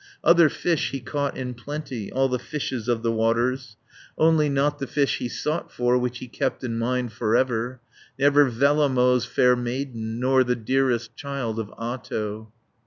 Other fish he caught in plenty, All the fishes of the waters, Only not the fish he sought for, 160 Which he kept in mind for ever, Never Vellamo's fair maiden, Not the dearest child of Ahto.